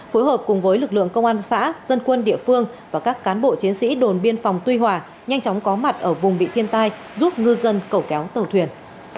phối hợp cùng với lực lượng công an xã dân quân địa phương và các cán bộ chiến sĩ đồn biên phòng tuy hòa nhanh chóng có mặt ở vùng bị thiên tai giúp ngư dân cẩu kéo tàu thuyền